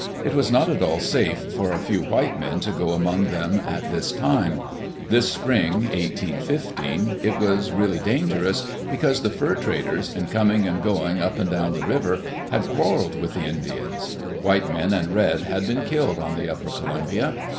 It was not at all safe for a few white men to go among them at this time. This spring, 1815, it was really dan gerous because the fur traders, in coming and going up and down the river, had quarreled with the Indians. White men and red had been killed on the upper Columbia.